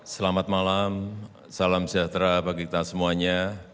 selamat malam salam sejahtera bagi kita semuanya